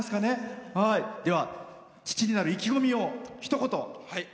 父になる意気込みをひと言。